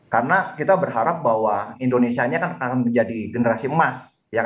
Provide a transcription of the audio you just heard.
karena kita berharap bahwa indonesia ini akan menjadi generasi emas